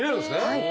はい。